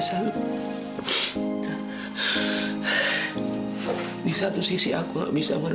udah arbitrgive kita sih dan itu di kontrol